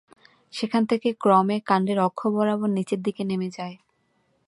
সেখান থেকে ক্রমে কান্ডের অক্ষ বরাবর নিচের দিকে নেমে যায়।